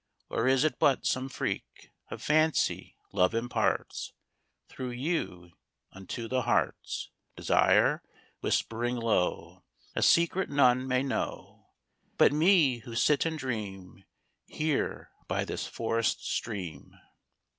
Or is it but some freak Of fancy, love imparts Through you unto the heart's Desire? whispering low A secret none may know But me, who sit and dream Here by this forest stream.